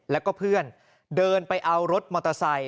แล้วก็เพื่อนเดินไปเอารถมอเตอร์ไซค